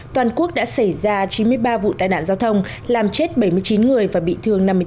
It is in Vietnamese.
toàn quốc đã xảy ra chín mươi ba vụ tai nạn giao thông làm chết bảy mươi chín người và bị thương năm mươi chín